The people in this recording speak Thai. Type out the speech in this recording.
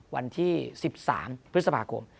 วันที่๑๓พฤษภาคม